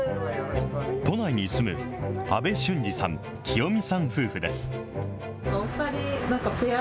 都内に住む阿部俊二さん、喜代美さん夫婦です。